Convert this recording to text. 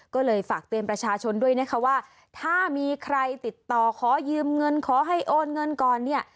ก็เลยฝากเตือนประชาชนด้วยนะคะว่าถ้ามีใครติดต่อขอยืมเงินขอให้โอนเงินก่อนเนี่ย